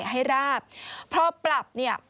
ให้ราบพอปรับเนี่ย